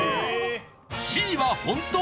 Ｃは本当。